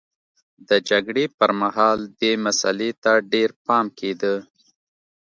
د جګړې پرمهال دې مسئلې ته ډېر پام کېده